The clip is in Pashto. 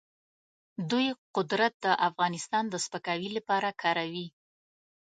دوی قدرت د افغانستان د سپکاوي لپاره کاروي.